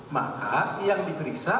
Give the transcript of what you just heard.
maka yang diperiksa